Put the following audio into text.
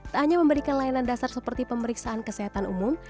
tak hanya memberikan layanan dasar seperti pemeriksaan kesehatan umum